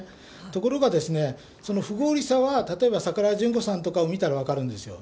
ところがですね、不合理さは、例えば桜田淳子さんとかを見たら分かるんですよ。